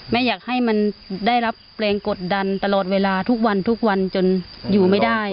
อยากให้มันได้รับแรงกดดันตลอดเวลาทุกวันทุกวันจนอยู่ไม่ได้